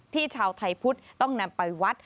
ชาวไทยพุทธต้องนำไปวัด